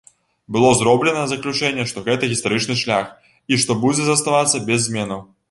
Было зроблена заключэнне, што гэта гістарычны шлях і што будзе заставацца без зменаў.